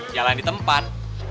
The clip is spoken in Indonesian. jalan di tempat